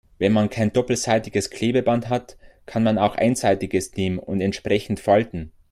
Wenn man kein doppelseitiges Klebeband hat, kann man auch einseitiges nehmen und entsprechend falten.